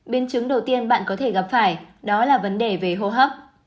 biến chứng đầu tiên bạn có thể gặp phải đó là vấn đề về hô hấp